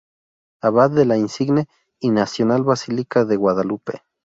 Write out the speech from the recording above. Abad de la Insigne y Nacional Basilica de Guadalupe.